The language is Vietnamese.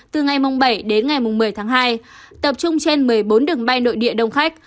từ ngày bảy đến ngày một mươi tháng hai tập trung trên một mươi bốn đường bay nội địa đông khách